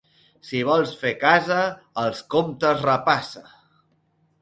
Si vols fer casa, els comptes repassa.